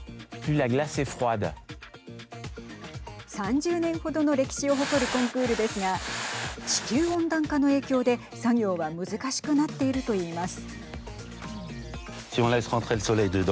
３０年程の歴史を誇るコンクールですが地球温暖化の影響で作業は難しくなっていると言います。